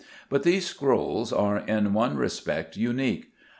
But these scrolls are in one respect unique."